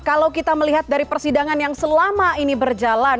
kalau kita melihat dari persidangan yang selama ini berjalan